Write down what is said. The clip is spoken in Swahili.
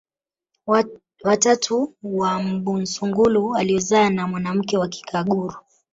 watatu wa mbunsungulu aliozaa na mwanamke wa kikaguru